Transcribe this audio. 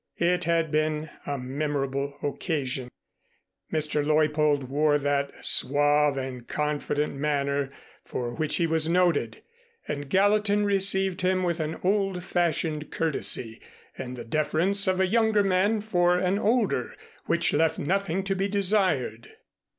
It had been a memorable occasion. Mr. Leuppold wore that suave and confident manner for which he was noted and Gallatin received him with an old fashioned courtesy and the deference of a younger man for an older, which left nothing to be desired.